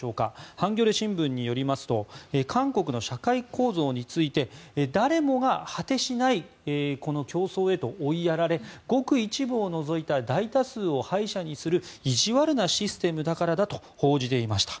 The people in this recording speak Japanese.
ハンギョレ新聞によりますと韓国の社会構造について誰もが果てしない競争へと追いやられごく一部を除いた大多数を敗者にする意地悪なシステムだからだと報じていました。